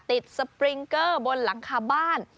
สปริงเกอร์บนหลังคาบ้าน